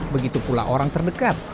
begitu pula orang terdekat